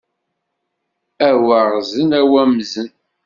A waɣzen a wamzen!